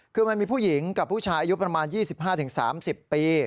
คือมันมีผู้หญิงกับผู้ชายอายุประมาณ๒๕๓๐ปี